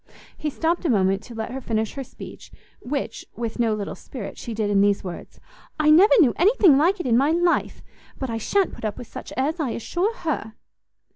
He stopt a moment to let her finish her speech, which, with no little spirit, she did in these words, "I never knew anything like it in my life; but I shan't put up with such airs, I assure her!"